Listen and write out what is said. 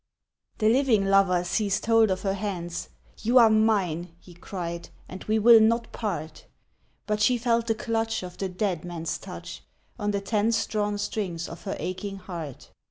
The living lover seized hold of her hands "You are mine," he cried, "and we will not part!" But she felt the clutch of the dead man's touch On the tense drawn strings of her aching heart.